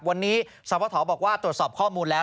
วันนี้สพบอกว่าตรวจสอบข้อมูลแล้ว